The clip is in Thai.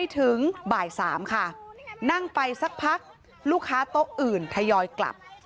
ถึงบ่าย๓ค่ะนั่งไปสักพักลูกค้าโต๊ะอื่นทยอยกลับ